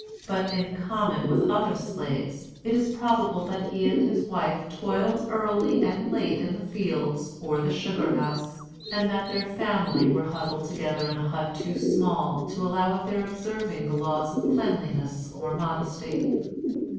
But, in common with other slaves, it is probable that he and his wife toiled early and late in the fields or the sugar house, and that their family were huddled together in a hut too small to allow of their observing the laws of cleanliness or modesty.